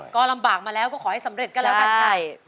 ก็ลำบากมาแล้วก็ขอให้สำเร็จก็แล้วกันใช่